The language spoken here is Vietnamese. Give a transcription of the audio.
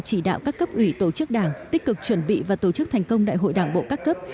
chỉ đạo các cấp ủy tổ chức đảng tích cực chuẩn bị và tổ chức thành công đại hội đảng bộ các cấp